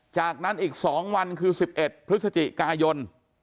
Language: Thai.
จากนั้นอีก๒วันคือ๑๑พฤศจิกายน